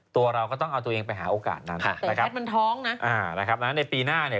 ตัวเราก็ต้องเอาตัวเองไปหาโอกาสนั้นนะครับนะครับนะครับในปีหน้าเนี่ย